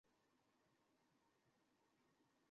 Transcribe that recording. আপনার পরিবারের সবাই খুব রাগী, স্যার।